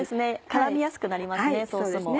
絡みやすくなりますねソースも。